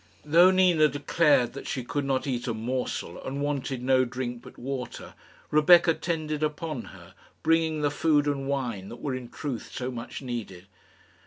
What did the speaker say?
Though Nina declared that she could not eat a morsel, and wanted no drink but water, Rebecca tended upon her, bringing the food and wine that were in truth so much needed.